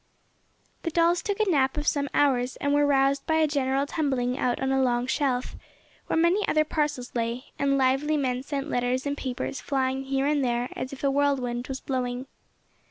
The dolls took a nap of some hours, and were roused by a general tumbling out on a long shelf, where many other parcels lay, and lively men sent letters and papers flying here and there as if a whirlwind was blowing.